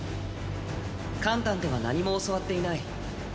邯鄲では何も教わっていない。